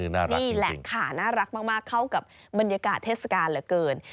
นี่แหละค่ะน่ารักมากเข้ากับบรรยากาศเทศกาลเหลือเกิน